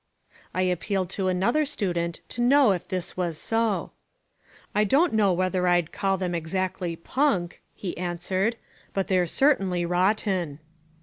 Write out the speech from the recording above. I appealed to another student to know if this was so. "I don't know whether I'd call them exactly punk," he answered, "but they're certainly rotten."